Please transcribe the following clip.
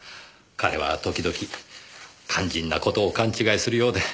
彼は時々肝心な事を勘違いするようで。